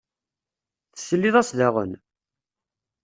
Tesliḍ-as daɣen?